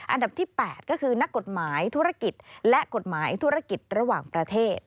อันดับที่๘ก็คือนักกฎหมายธุรกิจและกฎหมายธุรกิจระหว่างประเทศ